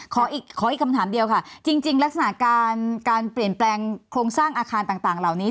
ขออีกคำถามเดียวค่ะจริงลักษณะการเปลี่ยนแปลงโครงสร้างอาคารต่างเหล่านี้